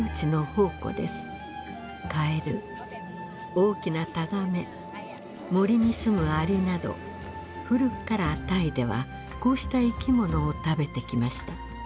カエル大きなタガメ森に住むアリなど古くからタイではこうした生き物を食べてきました。